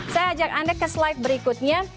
saya ajak anda ke slide berikutnya